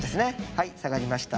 はい下がりました。